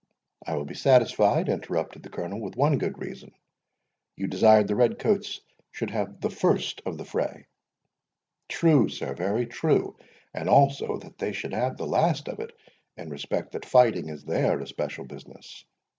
"I will be satisfied," interrupted the Colonel, "with one good reason. You desired the red coats should have the first of the fray?" "True, sir, very true;—and also that they should have the last of it, in respect that fighting is their especial business.